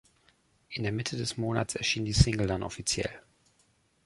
In der Mitte des Monats erschien die Single dann offiziell.